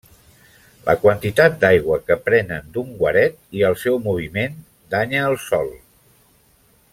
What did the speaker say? La quantitat d'aigua que prenen d'un guaret i el seu moviment danya el sòl.